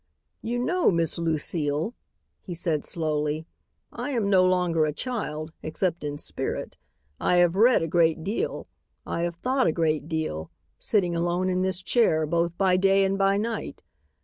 "You know, Miss Lucile," he said slowly, "I am no longer a child, except in spirit. I have read a great deal. I have thought a great deal, sitting alone in this chair, both by day and by night.